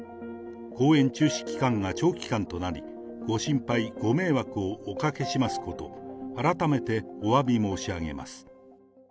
公演中止期間が長期間となり、ご心配、ご迷惑をおかけしますこと、改めておわび申し上げます。